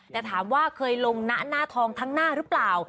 แต่ถามว่าเคยลงนะหน้าทองทั้งหน้าหรือเปล่า